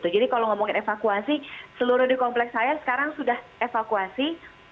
jadi kalau ngomongin evakuasi seluruh di kompleks saya sekarang sudah evakuasi